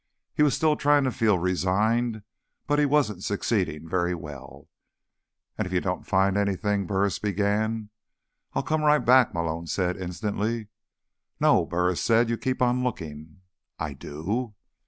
He was still trying to feel resigned, but he wasn't succeeding very well. "And if you don't find anything—" Burris began. "I'll come right back," Malone said instantly. "No," Burris said. "You keep on looking." "I do?"